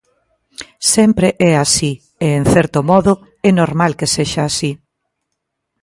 Sempre é así e, en certo modo, é normal que sexa así.